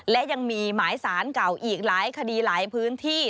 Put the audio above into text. และยังมีหมายสารเก่าอีกหลายคดีหลายพื้นที่